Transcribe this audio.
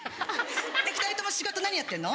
２人とも仕事何やってんの？